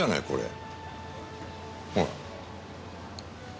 これ。